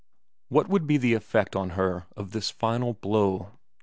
What would be the effect on her of this final blow